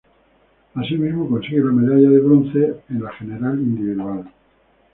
Asimismo consigue la medalla de bronce en la general individual.